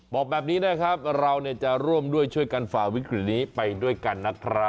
บอกแบบนี้นะครับเราจะร่วมด้วยช่วยกันฝ่าวิกฤตนี้ไปด้วยกันนะครับ